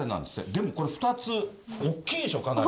でもこれ、２つ、大きいでしょ、かなり。